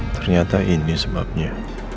ternyata ini sebabnya